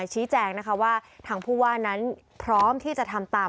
ชี้แจงนะคะว่าทางผู้ว่านั้นพร้อมที่จะทำตาม